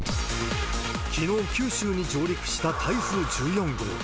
きのう九州に上陸した台風１４号。